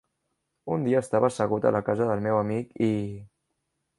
Un dia estava assegut a la casa del meu amic i...